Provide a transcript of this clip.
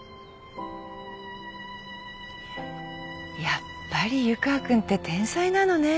やっぱり湯川君って天才なのね。